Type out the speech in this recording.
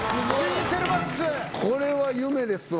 これは夢ですわ。